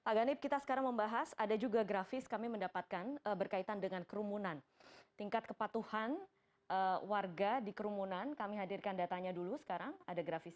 pak ganip kita sekarang membahas ada juga grafis kami mendapatkan berkaitan dengan kerumunan tingkat kepatuhan warga di kerumunan kami hadirkan datanya dulu sekarang ada grafis